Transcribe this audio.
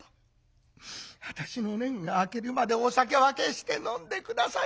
『私の年季が明けるまでお酒は決して飲んで下さるな』。